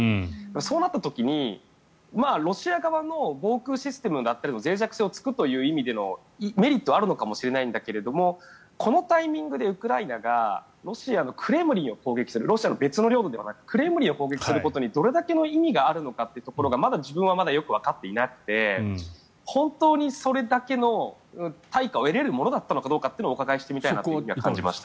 そうなった時に、ロシア側の防空システムだったりのぜい弱性を突く意味でのメリットはあるかもしれないんだけどこのタイミングでウクライナがロシアのクレムリンを攻撃するロシアの、別の領土ではなくクレムリンを攻撃することにどれだけの意味があるのかっていうところがまだ自分はよくわかっていなくて本当にそれだけの対価を得られるものだったのかをお伺いしてみたいなとは感じました。